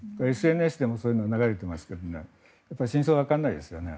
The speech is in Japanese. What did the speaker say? ＳＮＳでもそういうのが流れていますが真相はわからないですよね。